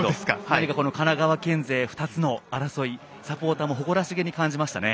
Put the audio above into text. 何か神奈川県勢２つの争いサポーターも誇らしげに感じましたね。